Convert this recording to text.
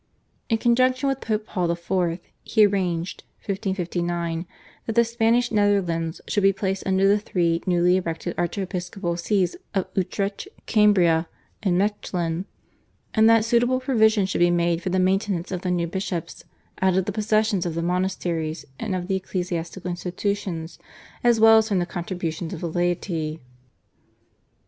In conjunction with Pope Paul IV. he arranged (1559) that the Spanish Netherlands should be placed under the three newly erected archiepiscopal Sees of Utrecht, Cambrai, and Mechlin, and that suitable provision should be made for the maintenance of the new bishops out of the possessions of the monasteries and of the ecclesiastical institutions as well as from the contributions of the laity.